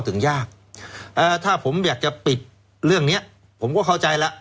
ถึงยากเอ่อถ้าผมอยากจะปิดเรื่องเนี้ยผมก็เข้าใจแล้ว